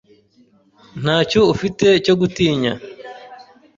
Ntacyo ufite cyo gutinya.